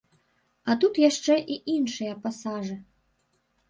А тут яшчэ і іншыя пасажы.